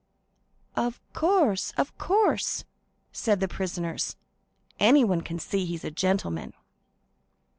"Of course—of course," said the prisoners;—"anyone can see he's a gentleman!"